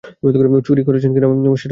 চুরি করেছেন কিনা, সেটা বলেন?